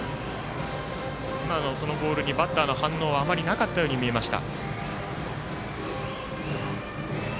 ボールにバッターの反応はなかったように見えました。